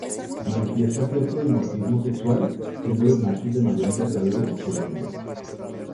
Manifiesta cierto dimorfismo sexual, siendo los machos de mayor envergadura que las hembras.